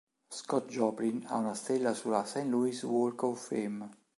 Scott Joplin ha una stella sulla "St. Louis Walk of Fame".